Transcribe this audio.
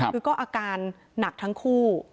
คือก็อาการหนักทั้งคู่